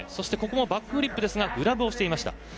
ここもバックフリップですがグラブをしていました。